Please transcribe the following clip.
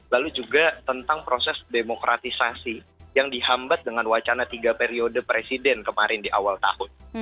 lalu juga tentang proses demokratisasi yang dihambat dengan wacana tiga periode presiden kemarin di awal tahun